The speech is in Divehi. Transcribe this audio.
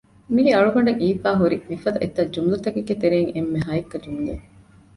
މިއީ އަޅުގަނޑަށް އިވިފައި ހުރި މި ފަދަ އެތައް ޖުމުލަތަކެއްގެ ތެރެއިން އެންމެ ހައެއްކަ ޖުމުލައެއް